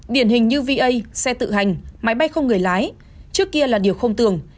điển hình như va xe tự hành máy bay không người lái trước kia là điều không tường